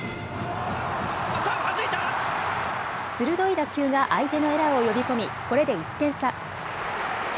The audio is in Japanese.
鋭い打球が相手のエラーを呼び込み、これで１点差。